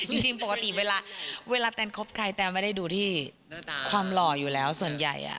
จริงปกติเวลาแตนคบใครแตนไม่ได้ดูที่ความหล่ออยู่แล้วส่วนใหญ่